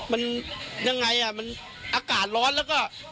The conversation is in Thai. มันยังไงอ่ะมันอากาศร้อนแล้วก็